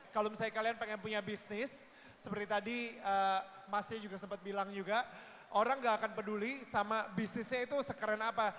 kalau misalnya kalian pengen punya bisnis seperti tadi masnya juga sempat bilang juga orang gak akan peduli sama bisnisnya itu sekeren apa